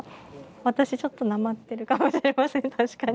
私ちょっとなまってるかもしれません確かに。